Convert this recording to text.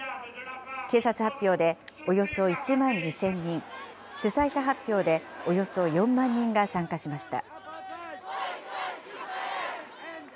警察発表で、およそ１万２０００人、主催者発表でおよそ４万人が参加しました。